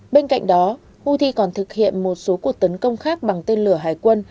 bên cạnh đó houthi còn thực hiện một số cuộc tấn công khác bằng tên lửa hải quân